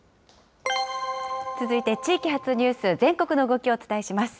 続いて地域発ニュース、全国の動きをお伝えします。